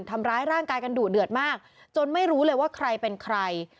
ทำร้ายร่างกายกันดุเดือดมากจนไม่รู้เลยว่าใครเป็นใคร